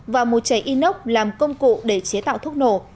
và một chảy inox làm công cụ để chế tạo thuốc nổ